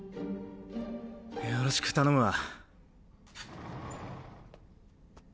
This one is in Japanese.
よろしく頼むわ。